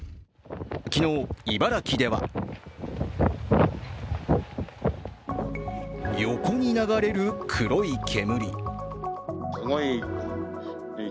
昨日、茨城では横に流れる黒い煙。